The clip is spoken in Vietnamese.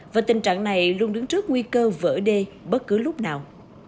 và tình trạng này luôn đứng trước nguy cơ vỡ đê bất cứ lúc nào